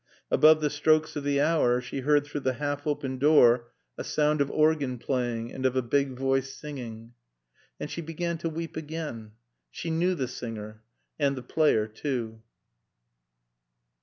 Above the strokes of the hour she heard through the half open door a sound of organ playing and of a big voice singing. And she began to weep again. She knew the singer, and the player too.